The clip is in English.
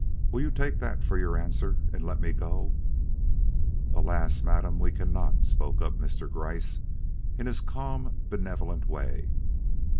Will you take that for your answer and let me go?" "Alas, madam, we cannot!" spoke up Mr. Gryce in his calm, benevolent way.